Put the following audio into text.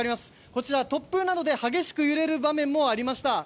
こちら突風などで激しく揺れる場面もありました。